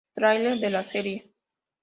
Trailer de la serie.